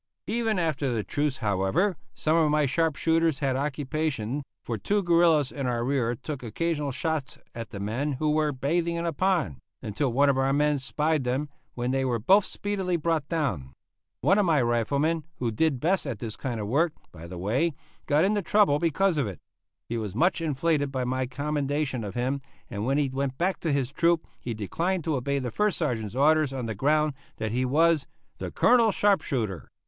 Even after the truce, however, some of my sharp shooters had occupation, for two guerillas in our rear took occasional shots at the men who were bathing in a pond, until one of our men spied them, when they were both speedily brought down. One of my riflemen who did best at this kind of work, by the way, got into trouble because of it. He was much inflated by my commendation of him, and when he went back to his troop he declined to obey the first Sergeant's orders on the ground that he was "the Colonel's sharp shooter."